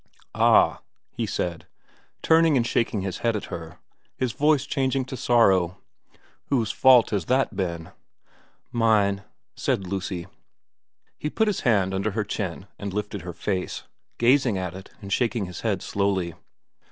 Ah,' he said, turning and shaking his head at her, his voice changing to sorrow, ' whose fault has that been ?'' Mine,' said Lucy. He put his hand under her chin and lifted her face, gazing at it and shaking his head slowly.